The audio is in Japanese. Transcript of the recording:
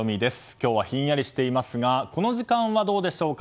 今日は、ひんやりしていますがこの時間はどうでしょうか。